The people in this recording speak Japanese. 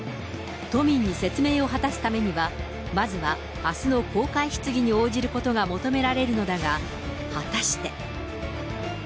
都民に説明を果たすためには、まずはあすの公開質疑に応じることが求められるのだが、果たして。